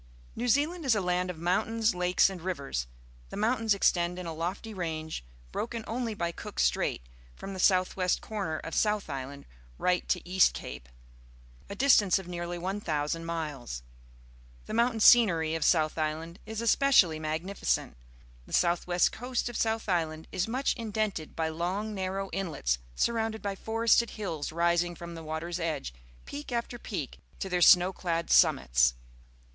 — New Zealand is a land of mountains, lakes, and rivers. The mountains extend in a lofty range, broken only by Cook Slmil, from the south west corner of South Island right to East Cape — a distance of nearly 1 ,000 miles. The moun tain scenery of South Island is especially magnificent. The south west coast of South Island is much indented by long, narrow inlets, surrounded by forested hills rising from the water's edge, peak after peak, to their snow clad summits.